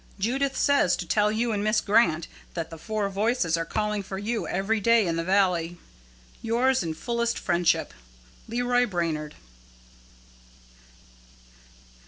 Judith says to tell you and Miss Grant that the four voices are calling for you every day in the valley. "Yours in fullest friendship, "LEROY BRAINARD."